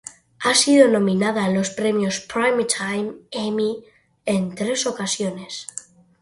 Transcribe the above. Ha sido nominada a los premios Primetime Emmy en tres ocasiones.